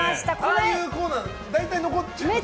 ああいうコーナー大体残っちゃうんですよね。